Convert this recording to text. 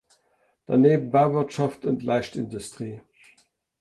Daneben Bauwirtschaft und Leichtindustrie.